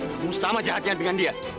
kamu sama jahatnya dengan dia